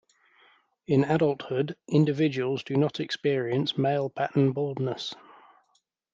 In adulthood, individuals do not experience male-pattern baldness.